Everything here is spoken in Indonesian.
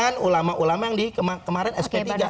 kan ulama ulama yang di kemarin sp tiga